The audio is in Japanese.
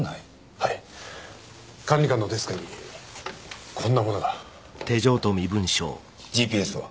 はい管理官のデスクにこんなものがＧＰＳは？